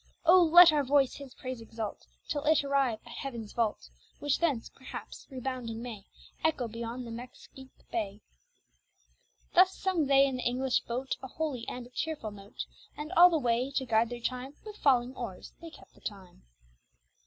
Oh! let our voice His praise exalt, Till it arrive at Heaven's vault, Which thence (perhaps) rebounding may Echo beyond the Mexique Bay." Thus sung they, in the English boat, A holy and a cheerful note: And all the way, to guide their chime, With falling oars they kept the time.